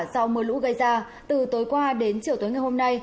do mưa lũ gây ra từ tối qua đến chiều tối ngày hôm nay